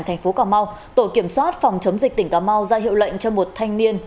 thành phố cà mau tổ kiểm soát phòng chống dịch tỉnh cà mau ra hiệu lệnh cho một thanh niên